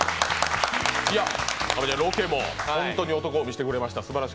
ロケも本当に男を見せてくれました。